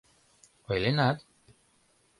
— Ойленат.